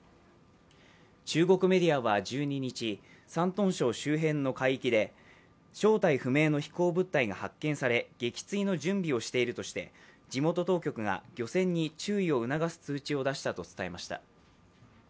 中国メディアは１２日、山東省周辺の海域で正体不明の飛行物体が発見され撃墜の準備をしているとして地元当局が漁船に注意を促す通知を出したと伝えました。